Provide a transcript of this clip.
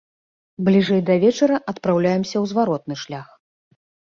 Бліжэй да вечара адпраўляемся ў зваротны шлях.